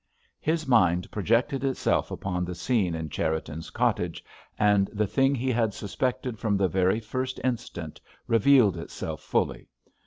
His mind projected itself upon the scene in Cherriton's cottage, and the thing he had suspected from the very first instant revealed itself fully.